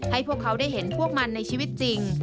พวกเขาได้เห็นพวกมันในชีวิตจริง